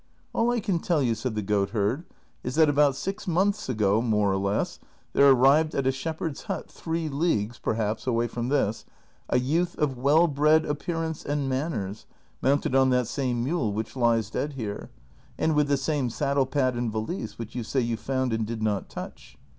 " All I can tell you," said the goatherd, " is that about six months ago, niQi'e or less, there arrived at a shepherd's hut three leagues, perhaps, away from this, a youth of well bred appearance and manners, mounted on that same mule which lies dead here, and with the same saddle pad and valise which you say you found and did not touch.